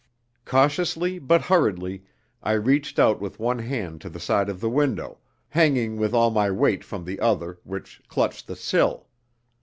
Cautiously but hurriedly I reached out with one hand to the side of the window, hanging with all my weight from the other, which clutched the sill.